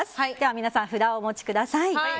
皆さん、札をお持ちください。